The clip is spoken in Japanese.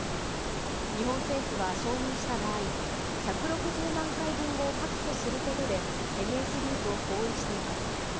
日本政府は承認した場合、１６０万回分を確保することで、ＭＳＤと合意しています。